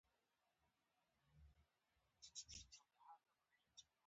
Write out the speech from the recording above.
کارنګي به پلورلو ته غاړه کېږدي که نه